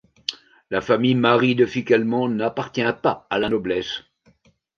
La famille Marie de Ficquelmont n'appartient pas à la noblesse.